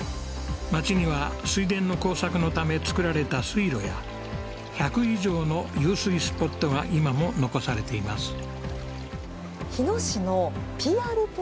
まちには水田の耕作のため作られた水路や１００以上の湧水スポットが今も残されています